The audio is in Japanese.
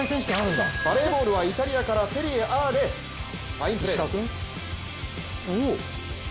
バレーボールはイタリアからセリエＡでファインプレーです。